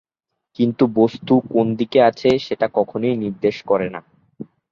কিন্তু বস্তু কোন দিকে আছে সেটা কখনোই নির্দেশ করে না।